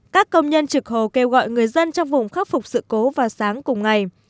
các công nhân trực hồ kêu gọi người dân trong vùng khắc phục sự cố vào sáng cùng ngày